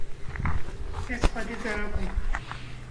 ez xwedî zarok im